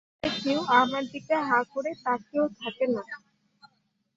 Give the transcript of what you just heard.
রাস্তায় কেউ আমার দিকে হাঁ করে তাকিয়েও থাকে না।